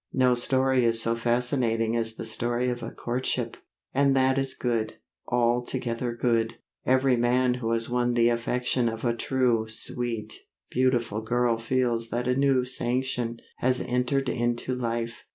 No story is so fascinating as the story of a courtship. And that is good, altogether good. Every man who has won the affection of a true, sweet, beautiful girl feels that a new sanction has entered into life.